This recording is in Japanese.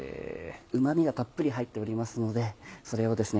うま味がたっぷり入っておりますのでそれをですね